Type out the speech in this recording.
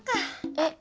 えっ？